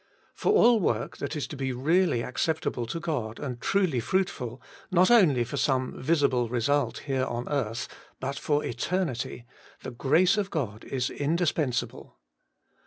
For all work that is to be really acceptable to God, and truly fruitful, not only for some visible result 7 8 Working for God here on earth, but for eternity, the grace of God is indispensable.